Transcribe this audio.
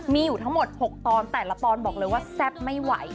มีอยู่ทั้งหมด๖ตอนแต่ละปอนดบอกเลยว่าแซ่บไม่ไหว